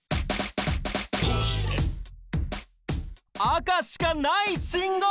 赤しかない信号！